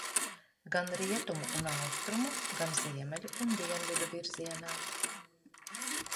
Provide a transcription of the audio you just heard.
Gan rietumu un austrumu, gan ziemeļu un dienvidu virzienā.